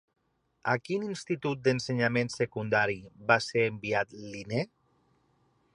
A quin Institut d'Ensenyament Secundari va ser enviat Linné?